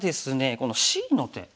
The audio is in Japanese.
このＣの手。